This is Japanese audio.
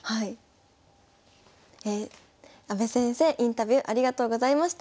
阿部先生インタビューありがとうございました。